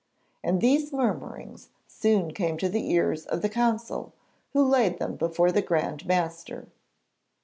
And these murmurings soon came to the ears of the council, who laid them before the Grand Master.